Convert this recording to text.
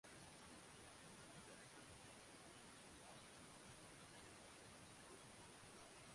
wakiwa na mbwa kamera na kifaa vya kunasa sauti